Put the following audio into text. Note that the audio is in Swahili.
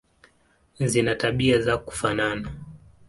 Zina tabia za kufanana.